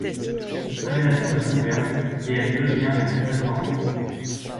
Cette révélation la bouleverse et elle devient la maîtresse d'Henri.